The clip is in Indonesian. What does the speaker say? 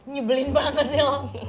nyebelin banget sih lo